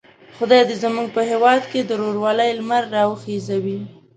خدای دې زموږ په هیواد کې د ورورولۍ لمر را وخېژوي.